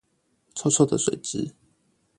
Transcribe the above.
臭臭的水質